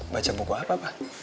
baca buku apa pa